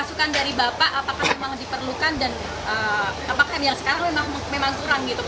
masukan dari bapak apakah memang diperlukan dan apakah yang sekarang